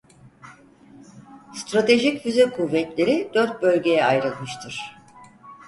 Stratejik Füze Kuvvetleri dört bölgeye ayrılmıştır.